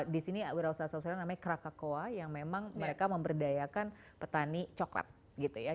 di sini wira usaha sosial namanya krakakoa yang memang mereka memberdayakan petani coklat gitu ya